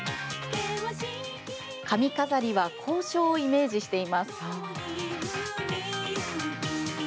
髪飾りは校章をイメージしています。